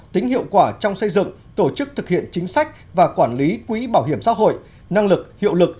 tính hiệu quả trong xây dựng tổ chức thực hiện chính sách và quản lý quỹ bảo hiểm xã hội năng lực hiệu lực